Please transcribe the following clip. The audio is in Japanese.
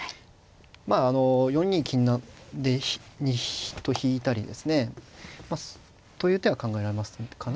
まああの４二金と引いたりですね。という手は考えられますかね。